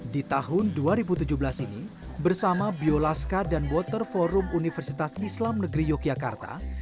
di tahun dua ribu tujuh belas ini bersama biolaska dan water forum universitas islam negeri yogyakarta